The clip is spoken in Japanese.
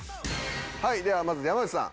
はいではまず山内さん。